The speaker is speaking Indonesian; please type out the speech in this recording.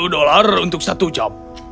sepuluh dolar untuk satu jam